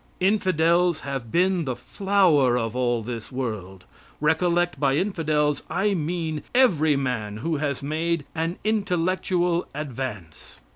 Infidels have been the flower of all this world. Recollect, by infidels I mean every man who has made an intellectual advance.